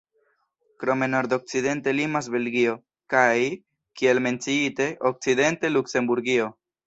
Krome nordokcidente limas Belgio, kaj, kiel menciite, okcidente Luksemburgio.